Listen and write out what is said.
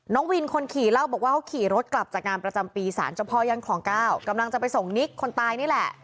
น้องวินคนขี่เล่าบอกว่าเขาขี่รถกลับจากงานประจำปีสารเจ้าพ่อย่านคลองเก้ากำลังจะไปส่งนิกคนตายนี่แหละ